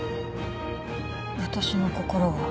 私の心が？